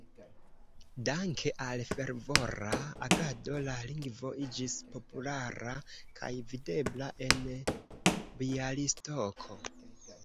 Danke al fervora agado la lingvo iĝis populara kaj videbla en Bjalistoko.